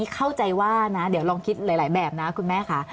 เข้าใจว่าน่ะคิดหลายแบบนะคุณแม่ค่ะ